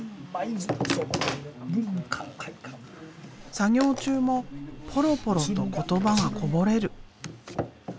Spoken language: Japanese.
作業中もポロポロと言葉がこぼれる。